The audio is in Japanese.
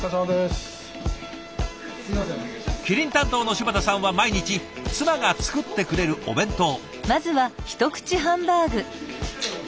キリン担当の柴田さんは毎日妻が作ってくれるお弁当。